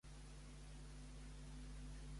Saps què hi tinc fixat per avui al Prat de Llobregat?